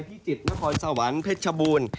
พิจิตรนครสวรรค์เพชรชบูรณ์